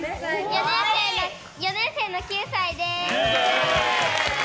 ４年生の９歳です！